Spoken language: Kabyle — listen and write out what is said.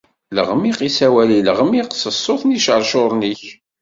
Leɣmiq isawal i leɣmiq s ṣṣut n icercuren-ik.